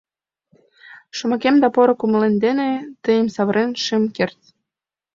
Шомакем да поро кумылем дене тыйым савырен шым керт.